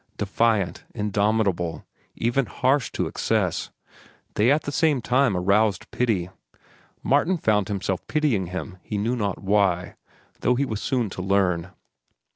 Defiant, indomitable, even harsh to excess, they at the same time aroused pity. Martin found himself pitying him he knew not why, though he was soon to learn.